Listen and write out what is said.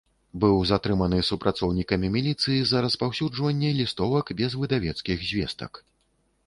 Быў затрыманы супрацоўнікамі міліцыі за распаўсюджванне лістовак без выдавецкіх звестак.